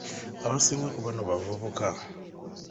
Abasinga ku bano bavubuka.